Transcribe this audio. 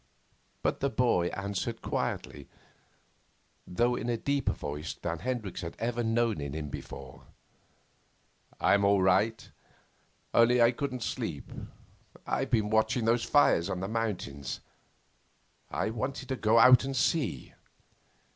But the boy answered quietly, though in a deeper voice than Hendricks had ever known in him before: 'I'm all right; only I couldn't sleep. I've been watching those fires on the mountains. I I wanted to go out and see.